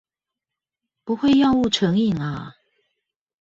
不會藥物成癮啊？